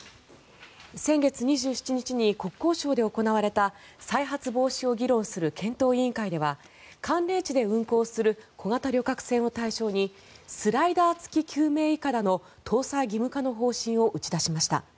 先月２７日に国交省で行われた再発防止を議論する検討委員会では寒冷地で運航する小型旅客船を対象にスライダー付き救命いかだの搭載義務化の方針を打ち出しました。